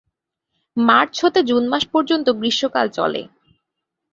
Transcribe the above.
March হতে June মাস পর্যন্ত গ্রীষ্ম কাল চলে।